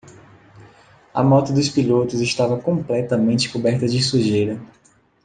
A moto dos pilotos estava completamente coberta de sujeira.